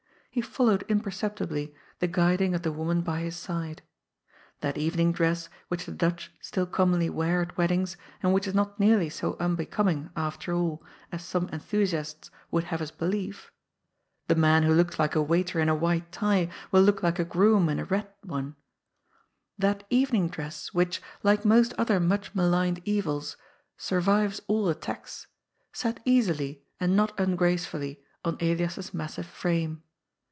He followed imperceptibly the guiding of the woman by his side. That evening dress which the Dutch still commonly wear at weddings and which is not nearly so unbecoming, after all, as some enthusiasts would have us believe (the man who looks like a waiter in a white tie, will look like a groom in a red one), that evening dress, which, A PRINCE AMONG PAUPERS. 218 like most other much maligned evils, suryiyes all attacks, sat easily and not ungracefully on Elias's massive frame.